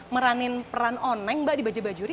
meranin peran online mbak di bajaj bajuri